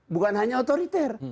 bukan hanya otoriter